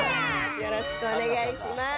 よろしくお願いします。